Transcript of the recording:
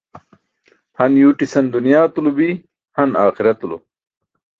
Han yuwṭisan dunyaatulo bi, han aaxiratulo.